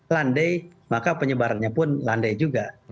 landai maka penyebarannya pun landai juga